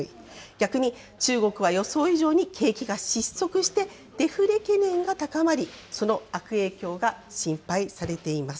逆に中国は予想以上に景気が失速して、デフレ懸念が高まり、その悪影響が心配されています。